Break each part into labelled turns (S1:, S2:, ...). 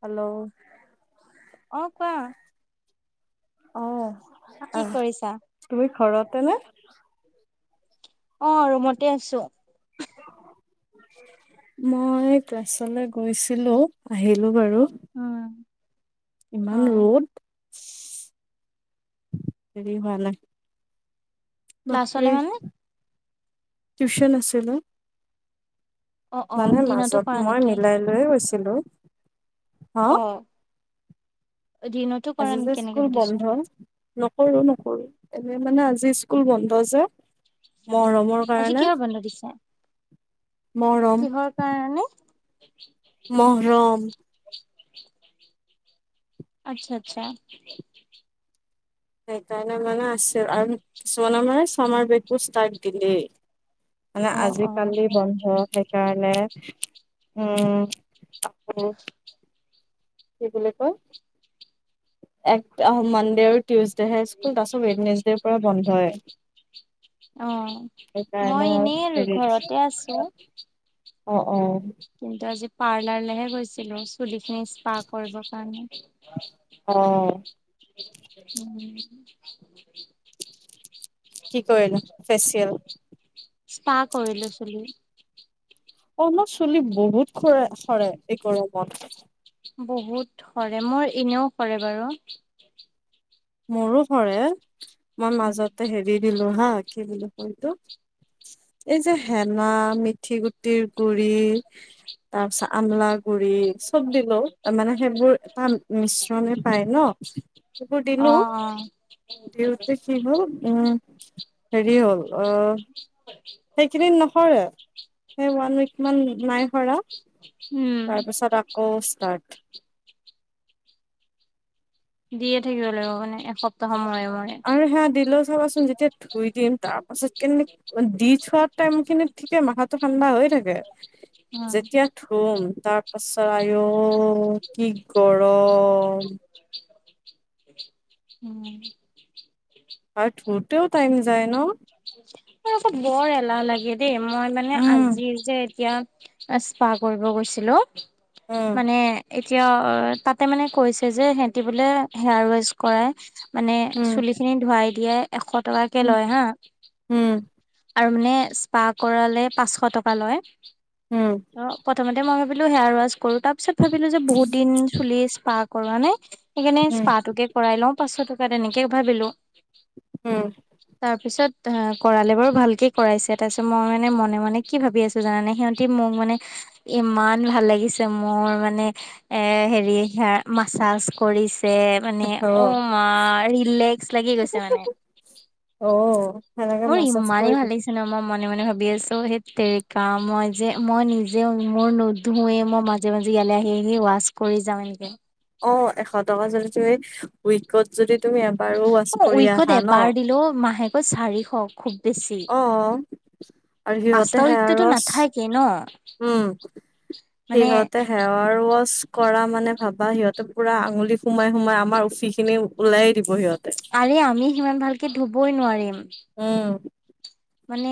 S1: Hello
S2: অ কোৱা
S1: অহ
S2: কি
S1: অহ
S2: কৰিছা?
S1: তুমি ঘৰতে নে
S2: অ ৰুমতে আছো
S1: মই ক্লাছলে গৈছিলো আহিলো বাৰু
S2: উম অ
S1: ইমান ৰ'দ হেৰি হোৱা নাই
S2: ক্লাছলে
S1: বাপৰে
S2: মানে
S1: টিউশ্যন আছিলে
S2: অ অ
S1: মানে
S2: দিনতো
S1: মাজত
S2: কৰা
S1: মই
S2: নেকি?
S1: মিলাই লৈয়ে গৈছিলোঁ
S2: অহ
S1: আজি যে স্কুল
S2: সুধিছো
S1: বন্ধ নকৰো নকৰো এনে মানে আজি স্কুল বন্ধ যে মৰমৰ
S2: আজি
S1: কাৰণে
S2: কিহৰ বন্ধ দিছে কিহৰ কাৰণে
S1: মহৰণ।
S2: [unintelligible] আচ্ছা আচ্ছা।
S1: সেইকাৰণে মানে আছে আৰু কিছুমানমানে মানে চমাৰ বেকো ষ্টাৰ্ দিলেই। মানে
S2: অ অ
S1: আজিকালি বন্ধ সেইকাৰণে। উম। কি বুলি কয়। এক আহ মানডে আৰু টিউজডে হে স্কুল তাৰপছত ৱেডনেজডেৰ পৰা বন্ধ হয়।
S2: অ মই এনেই আৰু
S1: হেৰি
S2: ঘৰতে আছো।
S1: অ অ।
S2: কিন্তু আজি পাৰ্লাৰলেহে গৈছিলো চুলি খিনি স্পা কৰিবৰ কাৰণে।
S1: অ
S2: উম।
S1: কি কৰিলা ফেচিয়েল
S2: স্পা কৰিলৈছিলো।
S1: অ ন চুলি বহুত খৰে সৰে এই গৰমত।
S2: বহুত সৰে মোৰ এনেও সৰে বাৰু।
S1: মোৰো সৰে মই মাজতে হেৰি দিলো হা কি বুলিটো। এই যে হেনা মিঠি গুটিৰ গুৰি। তাৰ পিছত আমলা গুৰি চব দিলো। মানে সেইবোৰ এটা মিশ্ৰণে পায় ন। সেইবোৰ দিলো
S2: অ অ
S1: দিওঁতে সেইবোৰ উম। হেৰি হ'ল আহ। সেইখিনি নহৰে সেই ওৱান উইক মান নাই সৰা।
S2: উম
S1: তাৰপিছত আকৌ ষ্টাৰ্ট।
S2: দিয়ে থাকিব লাগিব মানে এসপ্তাহ সময়।
S1: আৰু সেয়া দিলেও চাবাচোন যেতিয়া ধুই দিম তাৰ পাছত কেনে দি থোৱাত। টাইম খিনিত ঠিকে মাথাটো ঠাণ্ডা হৈ থাকে
S2: উম
S1: যেতিয়া ধুম তাক। আচ্ছা আৰু' কি কৰ।
S2: উম।
S1: আৰু থুৰতেও টাইম যায় ন।
S2: আৰু আকৌ বৰ এলাহ লাগে দেই মই মানে
S1: উম
S2: আজি যে এতিয়া। ইছপা কৰিব গৈছিলো
S1: উম
S2: মানে। কিয় তাতে মানে কৈছে যে সিহঁতি বোলে হেয়াৰ ৱেচ কৰাই। মানে
S1: উম
S2: চুলিখিনি ধোৱাই দিয়াই এশ টকাকে
S1: উম
S2: লয় হা।
S1: উম।
S2: আৰু মানে স্পা কৰালে পাঁচশ টকা লয়
S1: উম
S2: প্ৰথম। মই ভাবিলো হেয়াৰ ৱাছ কৰো তাৰ পিছত ভাবিলো যে বহুত দিন চুলি স্পাহ কৰা নাই। সেইকাৰণে
S1: উম
S2: প্পাহটোকে কৰাই লওঁ পাঁচশ টকা তেনেকে ভাবিলো।
S1: উম
S2: তাৰপিছত। কৰালে বাৰু ভালকে কৰাইছে তাৰপিছত মই মানে মনে মনে কি ভাবি আছো জানা নে সিহঁতি মোক মানে। ইমান ভাল লাগিছে মোৰ মানে এ হেৰি সাৰ মাছাজ কৰিছে। মানে
S1: অ
S2: অমা ৰিলেক্স লাগি গৈছে মানে।
S1: অ সেনেকে
S2: মোৰ
S1: মাছাজ
S2: ইমানেই
S1: কৰি
S2: ভাল
S1: দিম
S2: লাগিছিলে ন মই মনে মনে ভাবো বি আছ সেই তেৰিকা মই যে মই নিজে মোৰ নোধোঁৱে মই মাজে মাজে ইয়ালে আহি। ৱাছ কৰি যাওঁ এনেকে।
S1: অ এশ টকা যদি ত উইকত যদি।। তুমি এবাৰো ৱাচ
S2: অ
S1: কৰি
S2: উইকত
S1: আহা ন।
S2: এবাৰ দিলেও মাহেকত চাৰিশ খুব বেছি
S1: অ আৰু সিহঁতে
S2: পাঁচটা
S1: হে
S2: উইকটোতো
S1: ৰছ
S2: নাথাকে ন
S1: উম।
S2: মানে
S1: সিহঁতে সেৱাৰ ৱাছ। কৰা মানে ভাবা সিহঁতে পুৰা আঙুলি সোমাই সোমাই আমাৰ উফি খিনি উওলাই দিব সিহঁত।
S2: আৰে আমি সিমান ভালকে ধুবই নোৱাৰিম।
S1: উম।
S2: মানে,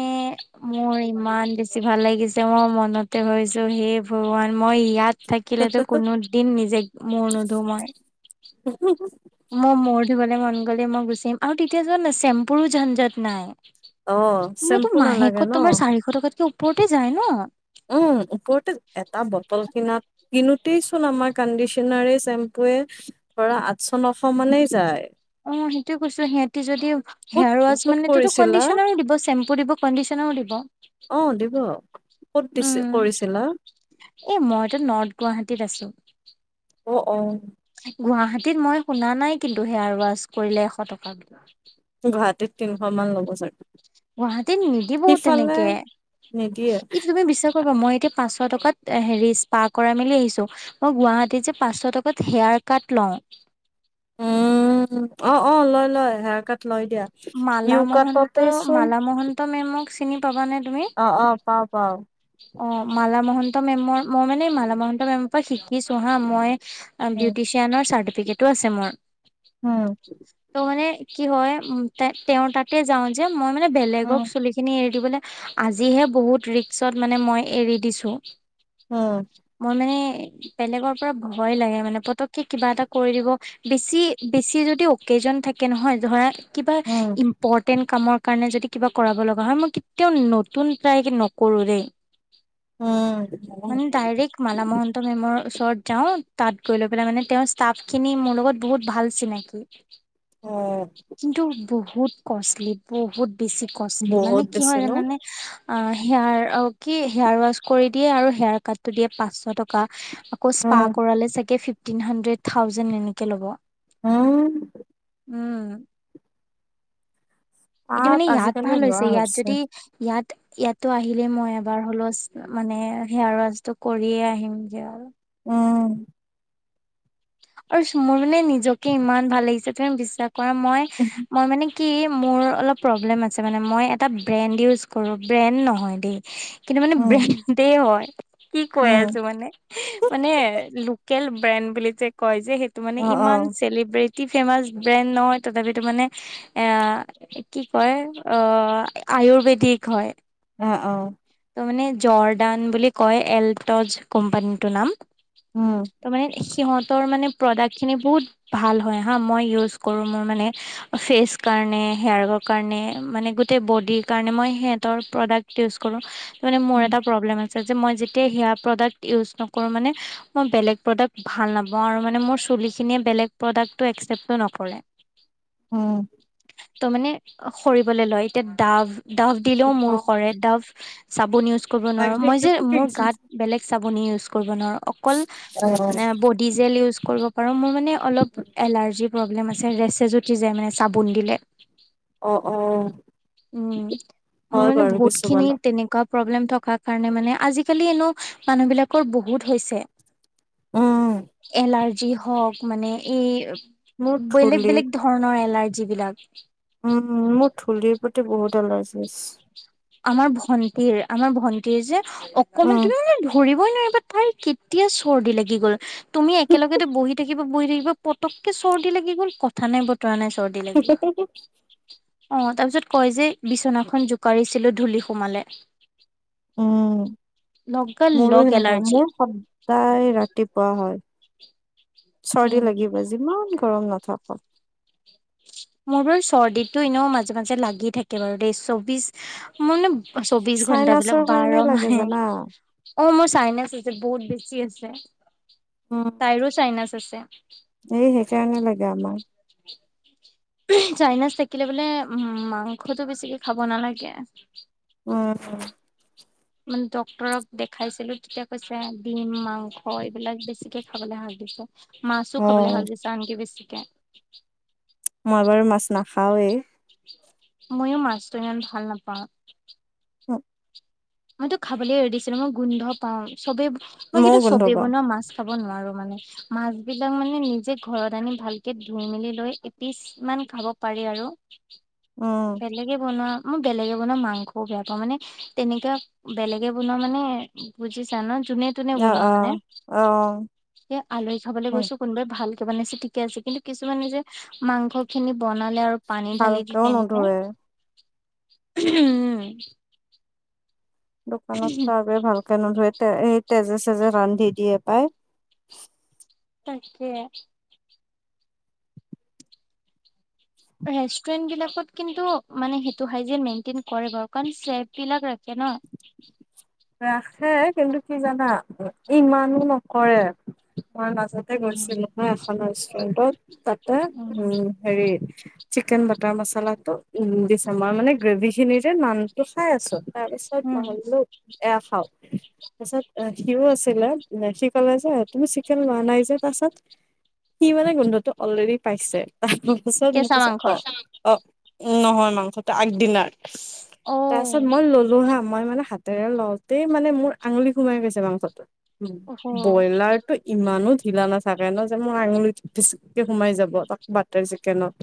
S2: মোৰ ইমান বেছি ভাল লাগিছে মই মনতে ভাবিছো সেই ভগৱান। মই ইয়াত থাকিলেতো কোনো দিন নিজে মূৰ নোধো মই।
S1: [unintelligible]
S2: মই মূৰ ধুবলে মন গ'লে মই গুচিম, আৰু তেতিয়া জানানে চেম্পুৰো জঞ্জত নাই।
S1: অ
S2: কিন্তু এইটো
S1: চেম্পু নালাগে ন
S2: মাহেকত তোমাৰ চাৰিশ টকাতকে ওপৰতে যায় ন?
S1: উম ওপৰতে, এটা বটল কিনাত কিনোতেই চোন আমাৰ কণ্ডিচনাৰে চেম্পুয়ে, ধৰা আঠশ-নশ মানেই যায়।
S2: অ' সেইটোয়ে কৈছো, সিহঁতে যদি
S1: ক'ত
S2: হেয়াৰ ৱাছ
S1: ক'ত
S2: মানেটো
S1: কৰিছিলা
S2: কণ্ডিচনাৰো দিব। চেম্পুও দিব, কণ্ডি দিব।
S1: অ' দিব। ক'ত দিছে
S2: উম।
S1: কৰিছিলা
S2: এ মই তাত নৰ্থ গুৱাহাটীত আছো।
S1: অ' অ'।
S2: গুৱাহাটীত মই শুনা নাই কিন্তু, হেয়াৰৱাছ কৰিলে এশ টকা বুলি।
S1: গুৱাহাটীত তিনশমান ল'ব চাগে।
S2: গুৱাহাটীত নিদিবও
S1: সিফালে
S2: তেনেকে,
S1: নিদিয়ে
S2: ই তুমি বিশ্বাস কৰিবা মই এতিয়া। পাঁচশ টকাত হেৰি স্পা কৰাই মেলি আহিছোঁ। মই গুৱাহাটীত যে পাঁচশ টকাত হেয়াৰ কাট লওঁ।
S1: উম, অ' অ' লয় লয়। হেয়াৰ কাট লয় দিয়া।
S2: মালা
S1: ইউ
S2: মহন্ত,
S1: কাটতে চোন
S2: মালা মহন্ত মেমক চিনি পাবা নে?
S1: অ' অ' পাওঁ পাওঁ।
S2: ত মেমৰ, মই মানে মালা মহন্ত মেমৰ পৰা শিকিছোঁ হা! মই আ
S1: উম,
S2: বিউটিচিয়ানৰ চাৰ্টিফিকেট তো আছে মোৰ।
S1: উম,
S2: ত মানে। কি হয়, উ তেওঁৰ তাতে যাও যে, মই মানে
S1: উম,
S2: বেলেগক চুলিখিনি এৰি দিবলৈ আজিহে বহুত ৰিক্সত মানে মই এৰি দিছো।
S1: উম,
S2: মই মানে বেলেগৰ পৰা ভয় লাগে মানে, পতককে কিবা এটা কৰি দিব। বেছি বেছি যদি অকে জন থাকে নহয়, ধৰা। কিবা
S1: উম,
S2: ইম্পৰ্টেন্ট কামৰ কাৰণে যদি কিবা কৰাব লগা হয়, মই কেতিয়াও নতুন প্ৰায় কৰো দেই। মানে
S1: উম,
S2: ডাইৰেক্ট মালা মহন্ত মেমৰ ওচৰত যাওঁ, তাত গৈ লৈ পেলাই মানে, তেওঁৰ ষ্টাফখিনি মোৰ লগত বহুত ভাল চিনাকি।
S1: অ',
S2: কিন্তু, বহুত কষ্টলি বহুত। বেছি কষ্টলি মানে
S1: বহুত
S2: কি
S1: বেছি
S2: হয়
S1: ন?
S2: জানানে? হেয়াৰ অ', কি হেয়াৰ ৱাছ কৰি দিয়ে আৰু হেয়াৰ কাটটো দিয়ে পাঁচশ টকা। আকৌ স্পা
S1: উম,
S2: কৰালে চাগে ফিফতিন হানড্ৰেদ থাউজেণ্ড এনেকে ল'ব।
S1: হুম!
S2: উম। এতিয়া
S1: তাত
S2: মানে ইয়াত
S1: আজিকালি
S2: ভাল
S1: লোৱা
S2: হৈছে, ইয়াত যদি ইয়াত ইয়াতো আহিলেই মই এবাৰ হ'লেও মানে, হেয়াৰ ৱাছটো কৰিয়ে আহিমগে আৰু।
S1: উম,
S2: আৰু মোৰ মানে নিজকে ইমান ভাল লাগিছে। তুমি বিশ্বাস কৰা, মই-মই মানে কি, মোৰ অলপ প্ৰব্লেম আছে মানে, মই এটা ব্ৰেণ্ড ইউজ কৰোঁ, ব্ৰেণ্ড নহয় দেই কিন্তু মানে
S1: উম,
S2: ব্ৰেণ্ডে হয়, কি কৈ
S1: উম,
S2: আছো মানে! মানে লোকেল ব্ৰেণ্ড বুলি যে কয় যে, সেইটো
S1: অ',
S2: মানে ইমান
S1: অ',
S2: চেলিব্ৰেট তি ফেমাচ ব্ৰেণ্ড নহয়, তথাপিতো মানে। কি কয় আয়ুৰ্বেদিক হয়।
S1: অ', অ'।
S2: জৰ্দান বুলি কয়। এলটজ কোম্পানীটোৰ নাম।
S1: উম,
S2: ত' মানে সিহঁত তৰ মানে প্ৰডাক্টখিনি বহুত ভাল হয় হা! মই ইউজ কৰোঁ মোৰ মানে ফেচ কাৰণে হেয়াৰৰ কাৰণে, মানে গোটেই বদিৰ কাৰণে। মই সিহঁতৰ প্ৰদাক্ত ইউচ্ কৰো। মানে মোৰ
S1: উম,
S2: এটা প্ৰব্লেম আছে যে মই যেতিয়া সেয়া প্ৰডাক্ট ইউজ নকৰোঁ মানে, মই বেলেগ প্ৰডাক্ট ভাল নাপাওঁ। মানে মোৰ ছুলীখিনীয়ে বেলেগ প্ৰডাক্ট্ এক্সেপে নকৰে।
S1: উম।
S2: ত মানে সৰিবলৈ লয় এতিয়া ডাভ ডাভ
S1: অ',
S2: দিলেও
S1: অ',
S2: মূৰ
S1: অ',
S2: সৰে ডাভ। চাবোন ইউচ কৰিব নোৱাৰো মোৰ যে মোৰ গাত বেলেগ চাবোন ইউজ। কৰিব নোৱাৰো অকল অ ডেট। [unintelligible] মোৰ মানে অলপ এলাৰ্জী প্ৰব্লেম আছে [unintelligible] চাবোন দিলে
S1: অ',
S2: উম মোৰ
S1: হয়
S2: মানে
S1: বাৰু
S2: বহুত খিনি
S1: কিছুমানত
S2: তেনেকুৱা। প্ৰব্লেম থকাৰ কাৰণে মানে আজিকালি এনেও মানুহবিলাকৰ বহুত হৈছে।
S1: উম,
S2: এলাৰ্জি হওক মানে
S1: মোৰ
S2: এই বেলেগ
S1: ধূলি
S2: বেলেগ ধৰণৰ এলাৰ্জি। যিবিলাক।
S1: উম মোৰ ধূলিৰ প্ৰতি বহুত এলাৰ্জি আছে।
S2: আমাৰ ভন্টিৰ আমাৰ ভন্টিৰ যে অকমান
S1: উম,
S2: তুমি ধৰি। ই নোৱাৰিবা তাই কেতিয়া চৰ্দি লাগি গ'ল তুমি একেলগেতো বহি থাকিবা বহি থাকিবা। পতককে চৰ্দি লাগি গ'ল কথা নাই বতৰা নাই চৰ্দি লাগি গ'ল। অ তাৰ পিছত কয় যে বিচনাখন জোকাৰিছিলো ধূলি সোমালে।
S1: উম
S2: লগা
S1: মোৰো
S2: লগ
S1: সেনেকুৱা
S2: এলাৰ্জি
S1: মোৰ সপ্তায় ৰাতিপুৱা হয়। চৰ্দি লাগিব
S2: উম
S1: যিমান গৰম নাথাক।
S2: মোৰ বাৰু চৰ্দিটো এনেও মাজে মাজে লাগি থাকে বাৰু দেই চৌবিশ মোৰ মানে চৌবিশ
S1: চাইনাছৰ
S2: ঘণ্টাাবিলাক বাৰ
S1: কাৰণে লাগে
S2: মাহে।
S1: জানা।
S2: অ মোৰ চাইনাছ আছে বহুত বেছি আছে তাইৰো চাইনাছ আছে।
S1: এ সেইকাৰণে লাগে আমাৰ।
S2: চাইনাজ থাকিলে বোলে উ মাংসটো বেছিকে খাব নালাগে।
S1: উ
S2: মানে ডক্তৰক দেখাইছিলো তেতিয়া কৈছে ডিম মাংস এইবিলাক বেছিকে খাবলৈ শাক দিছে মাছো খাবলে
S1: অ',
S2: শাক দিছে আনকি বেছিকে
S1: মই বাৰু মাছ নাখাওৱেই
S2: ময়ো মাছটো ইমান ভাল নাপাওঁ।
S1: অ
S2: মইতো খাবলৈ এৰি দিছিলো মই গোন্ধ পাও চবেই মই
S1: ময়ো
S2: কিন্তু
S1: গোন্ধ
S2: চবেই
S1: পাওঁ,
S2: বনোৱা মাছ খাব নোৱাৰো [unintelligible] মাছ বিলাক মানে নিজে ঘৰত আনি ভালকে ধুই মেলি লৈ এপিছ মান খাব পাৰো। আৰু
S1: উম,
S2: বেলেগে বনোৱা মই বেলেগে বনোৱা মাংসও বেয়া পাওঁ মানে তেনেকে। বেলেগে বনোৱা মানে বুজিছা ন যোনে তোনে
S1: অ',
S2: বনোৱা মানে
S1: অ', অ'।
S2: এ আলহী খাবলৈ
S1: উম,
S2: গৈছো কোনোবাই ভাল ানেি ঠিকে আছে কিন্তু কিছুমানে যে মাংস খিনি বনালে আৰু পানী ঢালি দিলে
S1: ভালকেও
S2: এনকে
S1: নোধোৱে।
S2: উম।
S1: দোকানত চাগৈ ভালকে নোধুৱে। তে তেজে চেজে ৰান্ধি দিয়ে পায়।
S2: তাকে ৰেষ্টুৰেন্ট বিলাকত কিন্তু মানে সেইটো হয় যে মেইনটেইন কৰে বাৱ। কাৰণ চেফ বিলাক ৰাখে। ন।
S1: ৰাখে কিন্তু কি জানা ইমানো নকৰে। মই মাজতে
S2: উম
S1: গৈছিলো নহ এখন ৰেষ্টুৰেন্টত, তাতে উম হেৰি। চিকেন বাটাৰ মচলাটো উ দিচ্বাৰ মানে গ্ৰেভি খিনিৰে নামটো খাই আছো। তাৰপিছত
S2: উম
S1: নহ'লো এয়া খাওঁ। তাৰছত সিও আছিলে, সি কলে যে তুমি চিকেন লোৱা নাই যে? তাৰছত সি মানে গোন্ধটো অলৰেডি পাইছে। তাৰ পিছত মোক
S2: কেঁচা
S1: কৈছে অ
S2: মাংসৰ
S1: অ নহয়, মাংসটো আগদিনাৰ।
S2: অ
S1: তাৰপিছত মই ললো হা, মই মানে হাত তেল লওঁতেই মানে মোৰ আঙুলি সোমাই গৈছে মাংসটোত। উ
S2: অহ
S1: ব্ৰইলাৰ টো ইমানো ঢিলা নাথাকে ন যে মোৰ আঙুলিটো পিছিক কে সোমাই যাব। তাক বাটাৰ চিকেনত।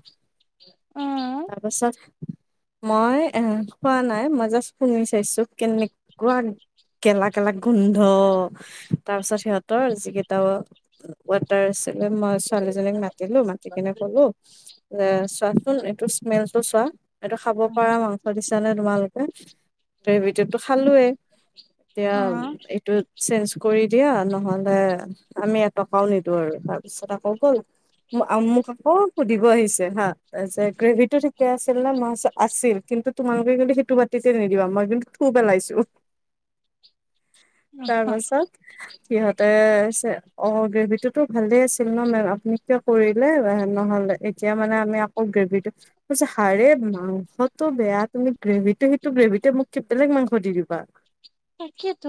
S2: উম
S1: তাৰপাছত। মই এ খোৱা নাই, মই জাষ্ট শুনি চাইছো কেনেকুৱা। কেলা কেলা গোন্ধ, তাৰ পিছত সিহতৰ যিকেইটা ৱাতাৰচ। মই ছোৱালীজনীক মাতিলো, মাতি কিনে কলো। যে চোৱাচোন এইটো স্মেল টো চোৱা? এইটো খাব
S2: উম
S1: পৰা মাংস দিছে। জানা তোমালোকে। আমিটো খালোৱে এতিয়া
S2: উম
S1: এইটো। চেঞ্জ কৰি দিয়া নহলে আমি এটকাও নিদো আৰু তাৰপিছত আকৌ গ'ল। মোক আকৌ সুধিব আহিছে হা, গ্ৰেভি টো ঠিকে আছিল নে? মই চু আছিল। কিন্তু তোমোলোকে কিন্তু সেইটো বাতিতে নিদিবা মই কিন্তু। খুব পেলাইছো, তাৰ পাছত। সিহঁতে চে, অ গ্ৰেভি টোতো ভালে আছিল ন মেম আপুনি কিয় কৰিলে। নহয়। এতিয়া মানে আমি আকৌ গ্ৰেভিটো়, চু মাংসটো বেয়া তুমি গ্ৰেভিটো সেই। টো গ্ৰেভিটো মোক বেলেগ মাংস দি দিবা।
S2: তাকেতো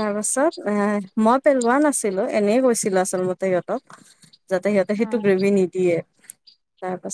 S1: তাৰ পাছত এ মই পেলোৱা নাছিলো, এনেই কৈছিল আচল মতে সিহঁতক। যাতে সিহঁতে সেইটোৰ
S2: উম
S1: গ্ৰেভি নিদিয়ে। তাৰ পাছত